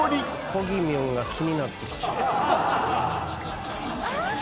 こぎみゅんが気になってきちゃった。